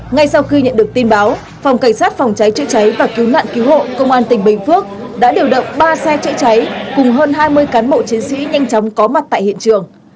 ngay sau khi nhận được tin báo phòng cảnh sát phòng cháy chữa cháy và cứu nạn cứu hộ công an tỉnh bình phước đã điều động ba xe chữa cháy cùng hơn hai mươi cán bộ chiến sĩ nhanh chóng có mặt tại hiện trường